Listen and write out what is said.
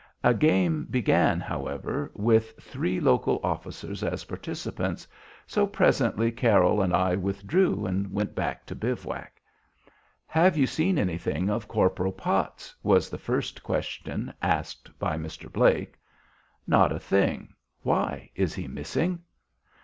A game began, however, with three local officers as participants, so presently Carroll and I withdrew and went back to bivouac. "Have you seen anything of Corporal Potts?" was the first question asked by Mr. Blake. "Not a thing. Why? Is he missing?"